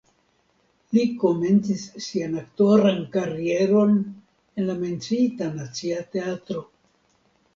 Li komencis sian aktoran karieron en la menciita Nacia Teatro.